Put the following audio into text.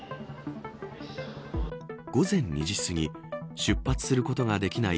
午前２時すぎ出発することができない